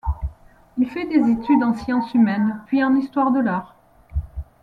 Il fait des etudes en sciences humaines, puis en histoire de l'art.